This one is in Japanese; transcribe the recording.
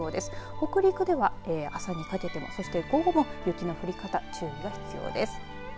北陸では朝にかけてはそして午後も雪の降り方、注意が必要です。